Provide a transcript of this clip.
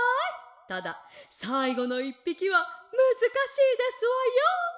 たださいごの１ぴきはむずかしいですわよ」。